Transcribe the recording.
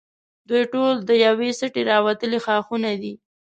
دوی ټول د یوې سټې راوتلي ښاخونه دي.